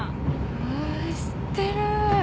あー知ってる。